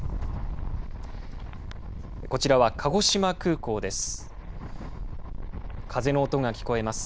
こちらは鹿児島空港です。